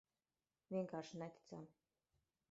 Vienkārši neticami.